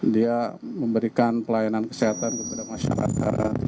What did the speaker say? dia memberikan pelayanan kesehatan kepada masyarakat